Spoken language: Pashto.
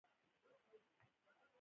د ایران بې عقل سفیر په ګاډۍ کې سپور شو.